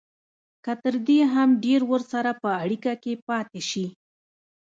که تر دې هم ډېر ورسره په اړیکه کې پاتې شي